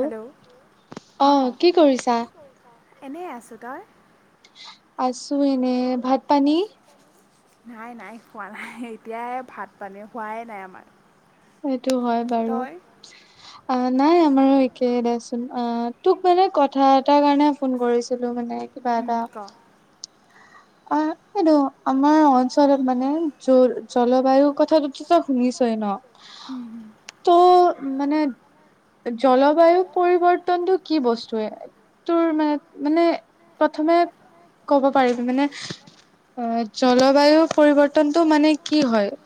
Hello অ', কি কৰিছা এনেই আছোঁ তই আছো এনে ভাত পানী নাই নাই খোৱা নাই এতিয়া ভাত পানী হোৱাই নাই আমাৰ সেইটো হয় বাৰু তই অ', নাই আমাৰো একেই দোচোন অ', তোক মানে কথা এটাৰ কাৰণে ফোন কৰিছিলো মানে কিবা উম, এটা ক অ', সেইটো আমাৰ অঞ্চলত মানে জ জলবায়ুৰ কথাটো চ শুনিছই ন [inaudible] ত' মানে জলবায়ু পৰিৱৰ্তন প্ৰন্তটো কি বস্তুৱে তোৰ মানে মানে প্ৰথমে ক'ব পাৰিবি মানে অ', জলবায়ু পৰিৱৰ্তনতটো মানে কি হয়?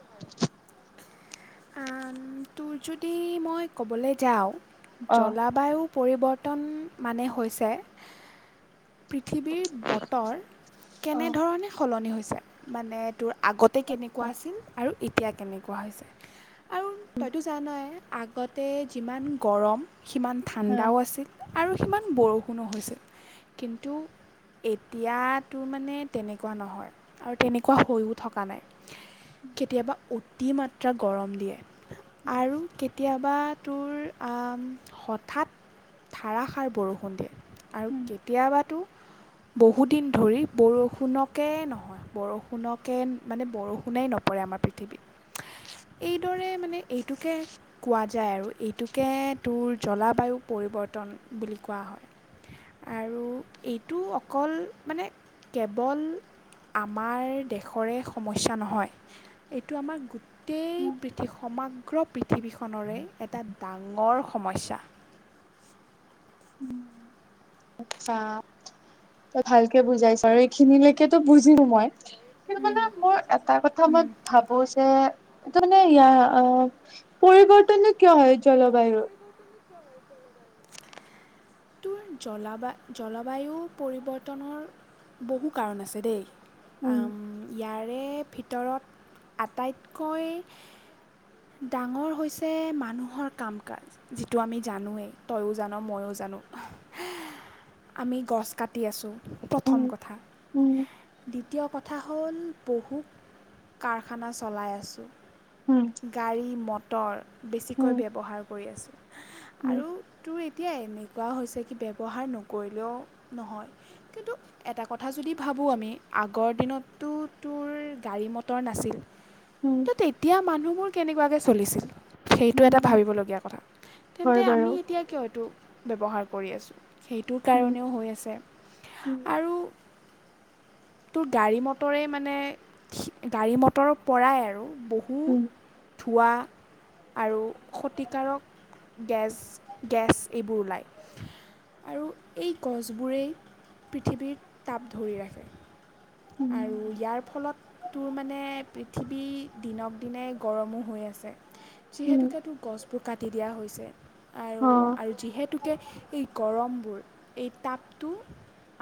তোৰ যদি মই ক'বলৈ যাওঁ অ জলবায়ু পৰিৱৰ্তন মানে হৈছে পৃথিৱীৰ বতৰ অ কেনেধৰণে সলনি হৈছে মানে তোৰ আগতে কেনেকুৱা আছিল আৰু এতিয়া কেনেকুৱা হৈছে আৰু তইতো জানয় আগতে যিমান গৰম সিমান হা ঠাণ্ডাও আছিল, আৰু সিমান বৰষুণো হৈছিল, কিন্তু এতিয়াতো মানে তেনেকুৱা নহয়, আৰু তেনেকুৱা হৈও থকা নাই। কেতিয়াবা অতিমাত্ৰা গৰম দিয়ে, আৰু কে কেতিয়াবা তোৰ হঠাৎ ধাৰাসাৰ বৰষুণ দিয়ে। আৰু কেতিয়াবাতো বহুদিন ধৰি বৰষুণকেই নহয়। বৰষুণকে মানে বৰষুণেই নপৰে আমাৰ পৃথিৱীত। এইদৰে মানে এইটোকে কোৱা যায় আৰু এইটোকে তোৰ জলবায়ু পৰিৱৰ্তন বুলি কোৱা হয়। আৰু এইটো অকল মানে কেৱল আমাৰ দেশৰে সমস্যা নহয়, এইটো আমাৰ গোটেই পৃথি সমগ্ৰ পৃথিৱীখনৰে এটা ডাঙৰ সমস্যা। উম আচ্ছা। ভালকে বুজাইছা আৰু এইখিনিলৈকেতো বুজিলু মই। কিন্তু মানে মোৰ এটা কথা মই ভাবো যে তাৰ মানে ইয়াৰ অ পৰিৱৰ্তনটো কিয় হয় জলবায়ুৰ? [unintelligible] তোৰ জলবায়-জলবায়ু পৰিৱৰ্তনৰ বহু কাৰণ আছে দেই। উম ইয়াৰে ভিতৰত আটাইতকৈ ডাঙৰ হৈছে মানুহৰ কাম কাজ। যিটো আমি জানোৱেই তয়ো জান ময়ো জানো। আমি গছ কাটি আছোঁ উম প্ৰথম কথা। উম দ্বিতীয় কথা হ'ল বহু কাৰখানা চলাই আছোঁ। উম, গাড়ী মটৰ উম বেছিকৈ ব্যৱহাৰ কৰি আছোঁ। উম আৰু তোৰ এতিয়া এনেকুৱা হৈছে কি ব্যৱহাৰ নকৰিলেও নহয়, কিন্তু এটা কথা যদি ভাবোঁ আমি আগৰ দিনততো তোৰ গাড়ী মটৰ নাছিল, উম তেতিয়া মানুহবোৰ কেনেকুৱাকৈ চলিছিল সেইটো এটা উম ভাবিবলগীয়া কথা হয় তেন্তে বাৰু আমি এতিয়া কিয় এইতটো ব্যৱহাৰ কৰি আছোঁ সেইটোৰ উম কাৰণেও হৈ আছে। উম আৰু তোৰ গাড়ী মটৰে মানে গাড়ী মটৰৰ পৰাই আৰু বহু উম ধোৱা, আৰু ক্ষতিকাৰক গেছ গেছ এইবোৰ ওলায়। আৰু এই গছবোৰেই পৃথিৱীৰ তাপ ধৰি ৰাখে। উম আৰু ইয়াৰ ফলত তোৰ মানে পৃথিৱী দিনক দিনে গৰমো হৈ আছে। উম যিহেতুকে তোৰ গছবোৰ কাটি দিয়া হৈছে। আৰু অ' আৰু যিহেতুকে এই গৰমবোৰ এই টাপটো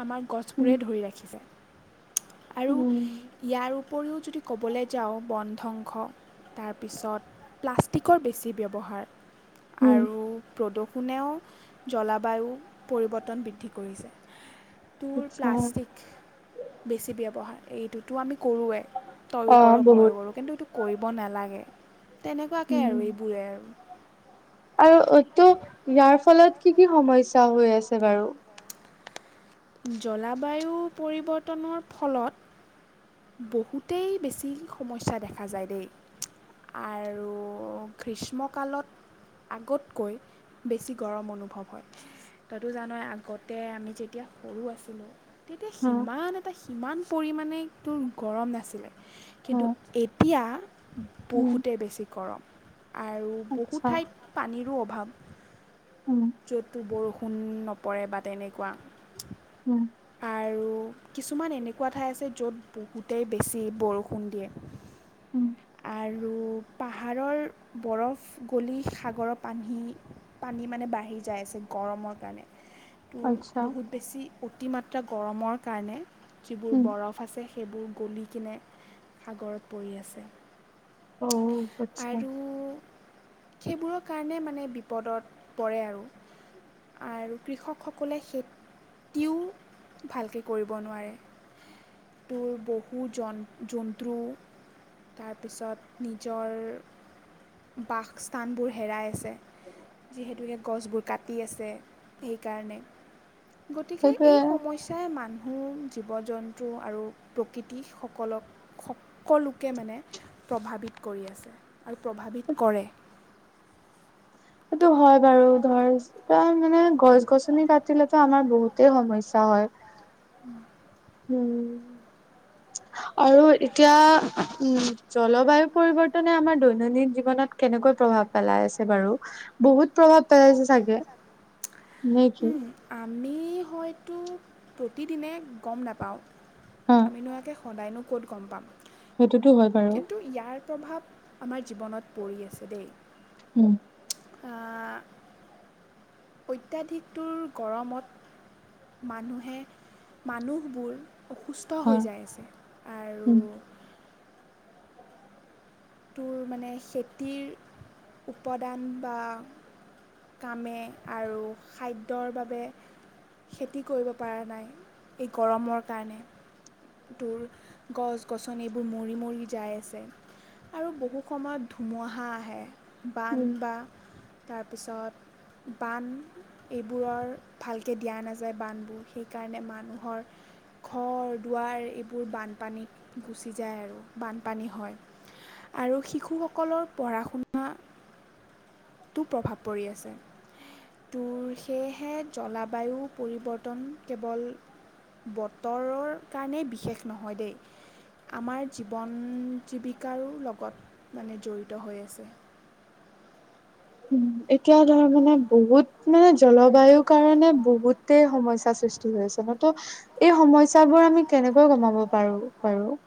আমাৰ উম গছবোৰে ধৰি ৰাখিছে। আৰু উম ইয়াৰ উপৰিও যদি ক'বলৈ যাওঁ বন ধ্বংস, তাৰপিছত প্লাষ্টিকৰ বেছি ব্যৱহাৰ। উম আৰু প্ৰদূষণেও জলবায়ু পৰিৱৰ্তন বৃদ্ধি কৰিছে। তোৰ আচ্ছা প্লাষ্টিক বেছি ব্যৱহাৰ এইটোতো আমি কৰোঁৱেই, তয়ো কৰ অ' ময়ো বহুত কৰোঁ কিন্তু এইটো কৰিব নালাগে তেনেকুৱাকৈ উম আৰু এইবোৰেই আৰু। আৰু অতটো ইয়াৰ ফলত কি কি সমস্যয়া হৈ আছে বাৰু? [inaudible] জলবায়ু পৰিৱৰ্তনৰ ফলত বহুতেই বেছি সমস্যা দেখা যায় দেই। আৰু গ্ৰীষ্মকালত আগতকৈ বেছি গৰম অনুভৱ হয় তই তো জানো আগতে আমি যেতিয়া সৰু আছিলোঁ তেতিয়া সিমান এটা সিমান পৰিমাণে তোৰ গৰম নাছিলে কিন্তু এতিয়া বহুতেই বেছি গৰম আৰু বহু ঠাইত পানীৰো অভাৱ য'তো বৰষুণ নপৰে বা তেনেকুৱা আৰু কিছুমান এনেকুৱা ঠাই আছে য'ত বহুতেই বেছি বৰষুণ দিয়ে উম আৰু পাহাৰৰ বৰফ গলি সাগৰৰ পানী পানী মানে বাঢ়ি যায় আছে গৰমৰ কাৰণে ত বহুত বেছি অতিমাত্ৰা গৰমৰ কাৰণে যিবোৰ হুম উম আচ্ছা উম উম উম বৰফ ফছে সেইবোৰ গলি কিনে সাগৰত পৰি আছে আচ্ছা উম অ আচ্ছা আৰু সেইবোৰৰ কাৰণে মানে বিপদত পৰে আৰু আৰু কৃষকসকলে খেতিও ভালকৈ কৰিব নোৱাৰে তোৰ বহু জ জন্তু তাৰপিছত নিজৰ বাসস্থানবোৰ হেৰাই আছে যিহেতুকে গছ গ ক আ স গে সেইটোয়ে প্ৰাই মানুহ জীৱ জন্তু আৰু প্ৰকৃতিসকলক সকলোকে মানে প্ৰভাৱিত কৰি আছে আৰু প্ৰভাৱিত কৰে সেইটো হয় বাৰু ধৰ তাৰ মানে গছ গছ তুমি কাটিলেতো আমাৰ বহুতেই সমস্যা হয় উম উম আৰু এতিয়া উম জলবায়ু পৰিৱৰ্তনে আমাৰ দৈনন্দিন জীৱনত কেনেকৈ প্ৰভাৱ পেলাই আছে বাৰু বহুত প্ৰভাৱ পেলাইছে চাগে নে কি আমি হয়তো প্ৰতিদিনে গম নাপাওঁ হা আমি নোহোৱাকৈ সদায়নো ক'ত গম পাম সেইটোতো হয় বাৰু কিন্তু ইয়াৰ প্ৰভাৱ আমাৰ জীৱনত পৰি আছে দেই উম অত্যাধিকটোৰ গৰমত মানুহে মানুহবোৰ অসুস্থ হৈ হয় যায় আছে আৰু উম তোৰ মানে খেতিৰ উপাদান বা কামে আৰু খাদ্যৰ বাবে খেতি কৰিব পৰা নাই এই গৰমৰ কাৰণে তোৰ গছ গছন এইবোৰ মৰি মৰি যাই আছে আৰু বহু সময়ত ধুমুহা আহে বান উম বা তাৰপিছত বান এইবোৰৰ ভালকে দিয়া নাযায় বানবোৰ সেইকাৰণে মানুহৰ ঘৰ [inaudible] দুৱাৰ এইবোৰ বানপানীত গুচি যায় আৰু বানপানী হয় আৰু শিশুসকলৰ পঢ়া শুনা তো প্ৰভাৱ পৰি আছে ত সেয়েহে জলবায়ু পৰিৱৰ্তন কেৱল বতৰৰ কাৰণে বিশেষ নহয় দেই আমাৰ জীৱন জীৱিকাৰো লগত মানে জড়িত হৈ আছে উম, এতিয়া ধৰ মানে বহুত মানে জলবায়ুৰ কাৰণে বহুতেই সমস্যা সৃষ্টি হৈছে ন ত এই সমস্যাবোৰ আমি কেনেকৈ কমাব পাৰো পাৰো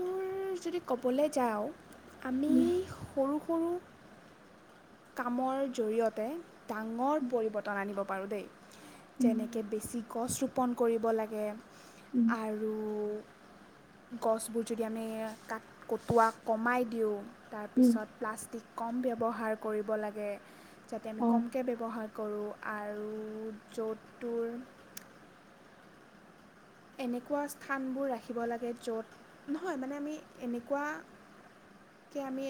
তোৰ যদি ক'বলৈ যাওঁ আমি উম, সৰু সৰু কামৰ জৰিয়তে ডাঙৰ পৰিৱৰ্তন আনিব পাৰোঁ দেই উম, যেনেকে বেছি গছ ৰোপন কৰিব লাগে আৰু গছবোৰ যদি আমি ক কটোৱা কমাই দিওঁ উম, তাৰপিছত প্লাষ্টিক কম ব্যৱহাৰ কৰিব লাগে যাতে আমি অ', কম কৈ ব্যৱহাৰ কৰোঁ আৰু য'ত তৰ এনেকুৱা স্থানবোৰ ৰাখিব লাগে য'ত নহয় মানে আমি এনেকুৱা কি আমি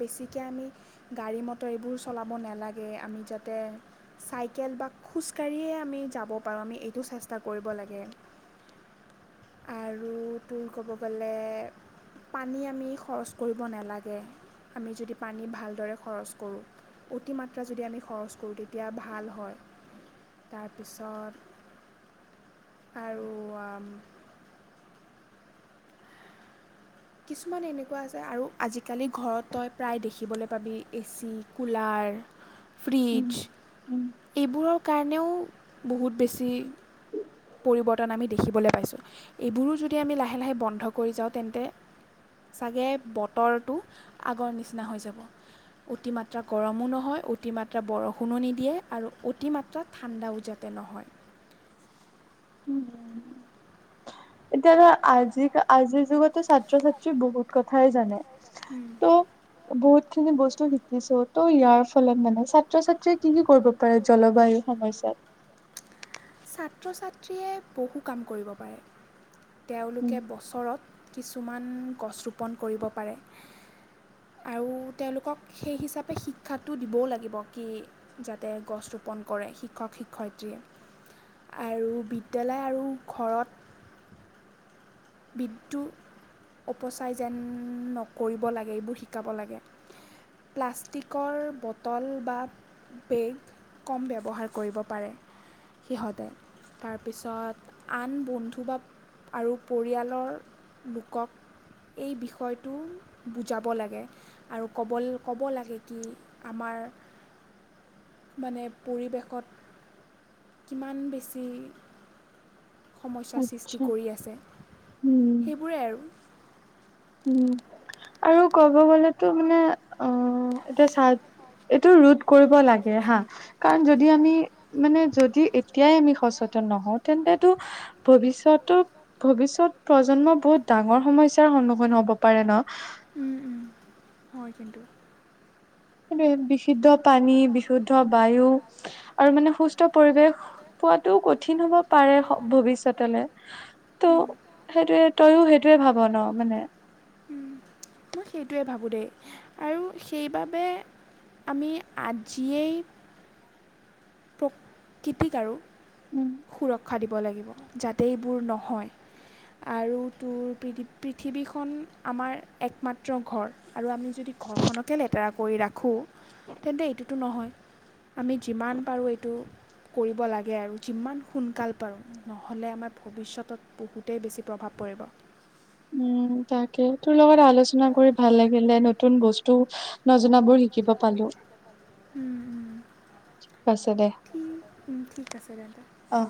বেছিকৈ আমি গাড়ী মটৰ এইবোৰ চলাব নালাগে আমি যাতে চাইকেল বা খোজকাঢ়িয়ে আমি যাব পাৰোঁ আমি এইটো চেষ্টা কৰিব লাগে আৰু তোৰ ক'ব গ'লে পানী আমি খৰচ কৰিব নালাগে আমি যদি পানী ভালদৰে খৰচ কৰোঁ অতিমাত্ৰা যদি আমি খৰচ কৰোঁ তেতিয়া ভাল হয়। তাৰপিছত আৰু আ কিছুমান এনেকুৱা আছে আৰু আজিকালি ঘৰত তই প্ৰায় দেখিবলৈ পাবি এচি, কুলাৰ [inaudible] ফ্ৰিজ উম, এইবোৰৰ কাৰণেও বহুত বেছি পৰিৱৰ্তন আমি দেখিবলৈ পাইছোঁ এইবোৰো যদি আমি লাহে লাহে বন্ধ কৰি যাওঁ তেন্তে চাগে বতৰটো আগৰ নিচিনা হৈ যাব। অতিমাত্ৰা গৰমো নহয় অতিমাত্ৰা বৰষুণো নিদিয়ে আৰু অতিমা তা ঠাণ্ডাও যাতে নহয়। উম, এতিয়া ধৰা আজি আজিৰ যুগতো ছাত্ৰ-ছাত্ৰী বহুত কথাই জানে। উম, [unintelligible] বহুত খিনি বস্তু শিকিছো ত' ইয়াৰ ফলত মানে ছা ত্ৰ-ছাত্ৰীয়ে কি কি কৰিব পাৰে জলবায়ুৰ সমস্যাত? ছাত্ৰ-ছাত্ৰীয়ে বহু কাম কৰিব পাৰে, উম, তেওঁলোকে ওচৰত কিছুমান গছ ৰোপণ কৰিব পাৰে। আৰু তেওঁলোকক সেই হিচাপে শিক্ষাটো দিবও লাগিব কি যাতে গছ ৰোপন কৰে শিক্ষক শিক্ষয়িত্ৰীয়ে। আৰু বিদ্যালয় আৰু ঘৰত বিদ্যু উপচাই যেন নকৰিব লাগে এইবোৰ শিকাব লাগে। প্লাষ্টিকৰ বটল বা বেগ কম ব্যৱহাৰ কৰিব পাৰে। সিহঁতে, তাৰপিছত আন বন্ধু বা আৰু পৰিয়ালৰ লোকক এই বিষয়টো বুজাব লাগে। আৰু ক'ব ক'ব লাগে কি আমাৰ মানে পৰিৱেশত কিমান বেছি সমস্যাৰ সৃষ্টি আচ্ছা কৰি আছে উম, সেইবোৰে আৰু। উম, আৰু ক'ব গ'লেতো মানে অ', এতিয়া চা এইটো ৰোধ কৰিব লাগে হা। কাৰণ, যদি আমি মানে যদি এতিয়াই আমি সচেতন নহওঁ তেন্তেতো ভৱিষ্যত ভৱিষ্যত প্ৰজন্ম বহুত ডাঙৰ সমস্যাৰ সন্মুখীন [unintelligible] হ'ব পাৰে ন'? হয়, কিন্তু। সেইটোৱে বিশুদ্ধ পানী বিশুদ্ধ বায়ু আৰু মানে সুস্থ পৰিৱেশ পোৱাটো কঠিন হ'ব পাৰে ভৱিষ্যতলে। ত' সেইটোয়ে তয়ো সেইটোয়ে ভাব ন' মানে তো সেইটোৱে ভাবোঁ দেই আৰু সেইবাবে আমি আজিয়েই প্ৰ-কৃতিক আৰু উম সুৰক্ষা দিব লাগিব যাতে এইবোৰ নহয়। আৰু তোৰ পৃ পৃথিৱীখন আমাৰ একমাত্ৰ ঘৰ। আৰু আমি যদি ঘৰখনকে লেতেৰা কৰি ৰাখোঁ তেন্তে এইটোতো নহয় আমি যিমান পাৰোঁ এইটো কৰিব লাগে আৰু যিমান সোনকাল পাৰোঁ। নহ'লে আমাৰ ভৱিষ্যতত বহুতেই বেছি প্ৰভাৱ পৰিব। উম, তাকে তোৰ লগত আলোচনা কৰি ভাল লাগিলে নতুন বস্তু নজনাবোৰ শিকিব পালো। উম, পাছে দে ঠি ঠিক আছে দাদা। অ'